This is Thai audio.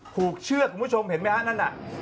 ผูกเชือกคุณผู้ชมเห็นไหมฮะนั่นน่ะ